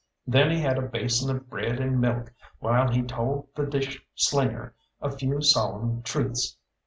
Then he had a basin of bread and milk, while he told the dish slinger a few solemn truths.